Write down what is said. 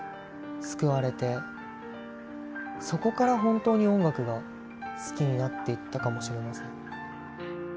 そこから本当に音楽が好きになっていったかもしれません。